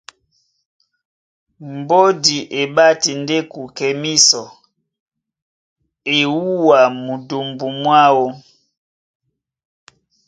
Mbódi e ɓáti ndé kukɛ mísɔ, e wúwa mundumbu mwáō.